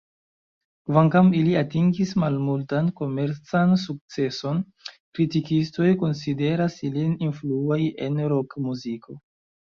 Kvankam ili atingis malmultan komercan sukceson, kritikistoj konsideras ilin influaj en rokmuziko.